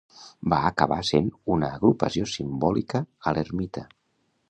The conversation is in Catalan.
Va acabar sent una agrupació simbòlica a l'ermita.